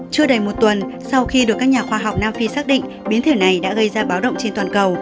chưa đầy một tuần sau khi được các nhà khoa học nam phi xác định biến thể này đã gây ra báo động trên toàn cầu